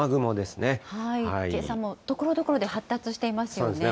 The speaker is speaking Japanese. けさもところどころで発達しそうですね。